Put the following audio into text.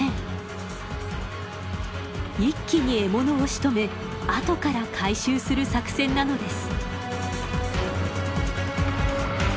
一気に獲物をしとめ後から回収する作戦なのです。